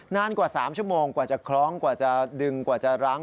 นานกว่า๓ชั่วโมงกว่าจะคล้องกว่าจะดึงกว่าจะรั้ง